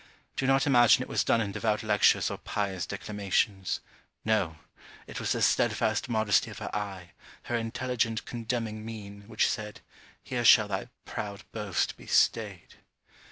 Do not imagine it was done in devout lectures or pious declamations. No, it was the stedfast modesty of her eye, her intelligent condemning mien, which said, here shall thy proud boast be stayed.